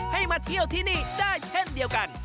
ให้มาเที่ยวที่นี่ได้เช่นเดียวกัน